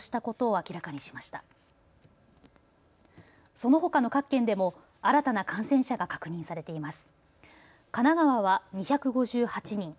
そのほかの各県でも新たな感染者が確認されています。